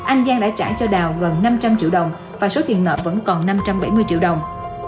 anh giang đã trả cho đào gần năm trăm linh triệu đồng và số tiền nợ vẫn còn năm trăm bảy mươi triệu đồng